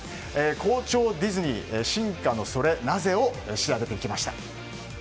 好調ディズニー、進化のソレなぜ？を調べてきました。